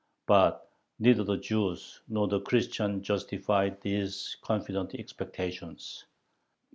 But neither the Jews nor the Christians justified these confident expectations.